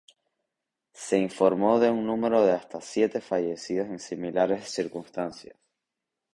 Se informó de un número de hasta siete fallecidos en similares circunstancias.